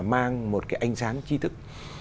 mang một cái ánh sáng chi thức